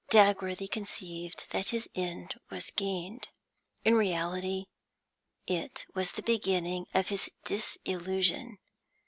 Dagworthy conceived that his end was gained; in reality it was the beginning of his disillusion.